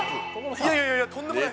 いやいやいや、とんでもない。